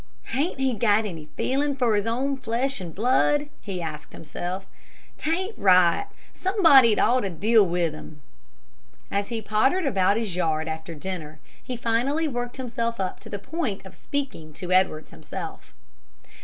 "Hain't he got any feelin' for his own flesh and blood?" he asked himself. "'T ain't right; somebody'd ought to deal with him." As he pottered about his yard after dinner, he finally worked himself up to the point of speaking to Edwards himself.